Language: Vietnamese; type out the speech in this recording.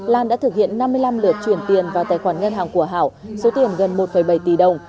lan đã thực hiện năm mươi năm lượt chuyển tiền vào tài khoản ngân hàng của hảo số tiền gần một bảy tỷ đồng